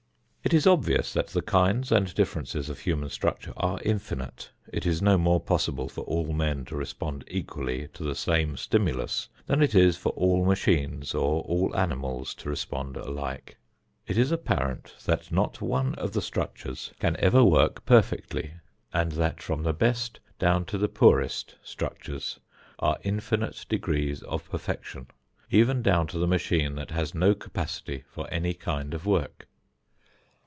It is obvious that the kinds and differences of human structures are infinite. It is no more possible for all men to respond equally to the same stimulus, than it is for all machines or all animals to respond alike. It is apparent that not one of the structures can ever work perfectly, and that from the best down to the poorest structures are infinite degrees of perfection, even down to the machine that has no capacity for any kind of work.